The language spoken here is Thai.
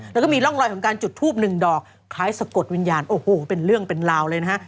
แล้วก็มีร่องรอยของการจุดทูบหนึ่งดอกคล้ายสะกดวิญญาณโอ้โหเป็นเรื่องเป็นราวเลยนะฮะ